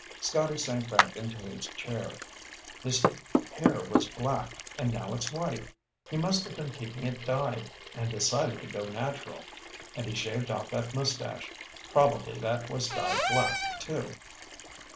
Scotty sank back into his chair. "His hair was black, and now it's white. He must have been keeping it dyed, and decided to go natural. And he shaved off that mustache. Probably that was dyed black, too."